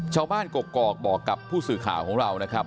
ชาวบ้านกรอกกรอกบอกกับผู้สื่อข่าวของเรานะครับ